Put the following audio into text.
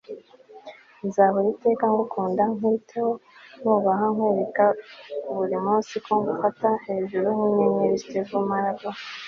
nzahoraho iteka ngukunda, nkwiteho, nkubaha, nkwereke buri munsi ko ngufashe hejuru nk'inyenyeri. - steve maraboli